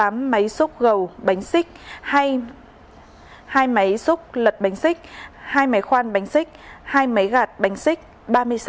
tám máy xúc gầu bánh xích hai máy xúc lật bánh xích hai máy khoan bánh xích hai máy gạt bánh xích